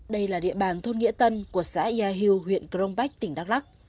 đây là địa bàn thôn nghĩa tân của xã ai hưu huyện cờ đông bách tỉnh đắk lắc